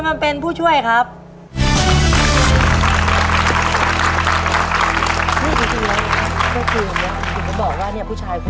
อยากได้ใครมาเป็นผู้ช่วยหรอ